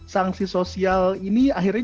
sanksi sosial ini akhirnya